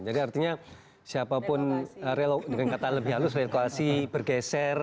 jadi artinya siapapun dengan kata lebih halus reloasi bergeser